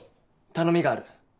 頼みがある。